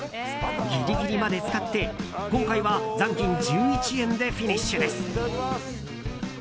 ギリギリまで使って今回は残金１１円でフィニッシュです。